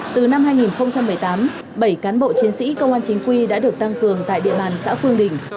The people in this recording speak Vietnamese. từ năm hai nghìn một mươi tám bảy cán bộ chiến sĩ công an chính quy đã được tăng cường tại địa bàn xã phương đình